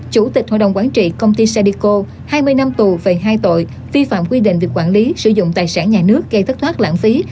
chủ tịch hội đồng quản trị công ty sadico hai mươi năm tù về hai tội vi phạm quy định về quản lý sử dụng tài sản nhà nước gây thất thoát lãng phí